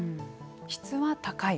質は高い。